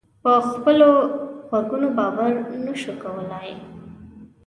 په خپلو غوږونو باور نه شو کولای.